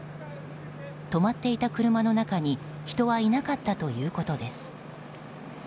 止まっていた車の中に人はいなかったということです。